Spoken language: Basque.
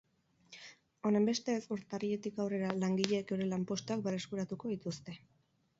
Honenbestez, urtarriletik aurrera, langileek euren lanpostuak berreskuratuko dituzte.